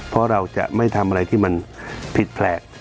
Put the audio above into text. เพราะเราจะไม่ทำอะไรที่มันผิดแผลก